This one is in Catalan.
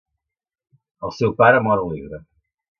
El seu pare mor alegre.